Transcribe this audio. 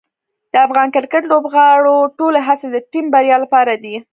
د افغان کرکټ لوبغاړو ټولې هڅې د ټیم بریا لپاره دي.